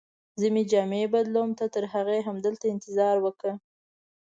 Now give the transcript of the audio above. زه مې جامې بدلوم، ته ترهغې همدلته انتظار وکړه.